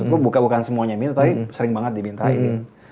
maksud gue bukan semuanya minta tapi sering banget dimintain